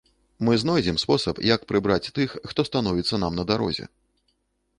Мы знойдзем спосаб, як прыбраць тых, хто становіцца нам на дарозе!